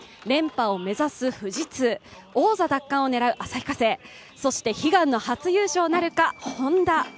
連覇を目指す富士通、王座奪還を狙う旭化成、そして悲願の初優勝なるか、Ｈｏｎｄａ。